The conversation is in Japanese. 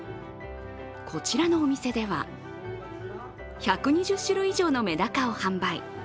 こちらのお店では、１２０種類以上のメダカを販売。